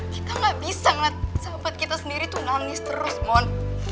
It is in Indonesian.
kita gak bisa ngeliat sahabat kita sendiri tuh nangis terus mon